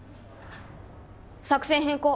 作戦変更。